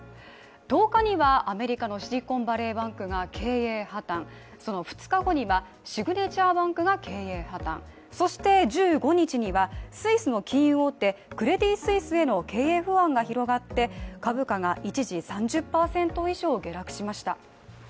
１０日には、アメリカのシリコンバレーバンクが経営破綻、その２日後にはシグネチャーバンクが経営破綻、そして、１５日にはスイスの金融大手、クレディ・スイスへの経営不安が広がって株価が一時３０％以上下落しました。